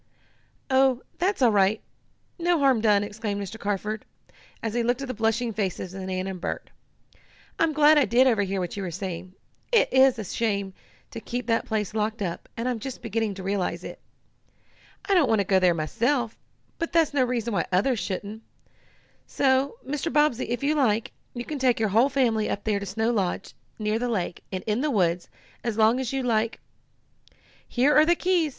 "Oh, that's all right no harm done!" exclaimed Mr. Carford, as he looked at the blushing faces of Nan and Bert. "I'm glad I did overhear what you were saying. It is a shame to keep that place locked up, and I'm just beginning to realize it. "I don't want to go there myself, but that's no reason why others shouldn't. So, Mr. Bobbsey, if you like, you can take your whole family up there to Snow Lodge, near the lake, and in the woods, and stay as long as you like. Here are the keys!"